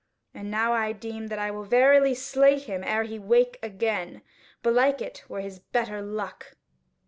And now I deem that I will verily slay him, ere he wake again; belike it were his better luck."